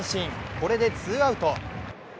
これでツーアウト。